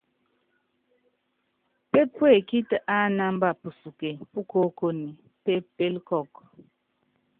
Pépuekíti ánámba pusuke púkoókone, pépélé kɔɔku.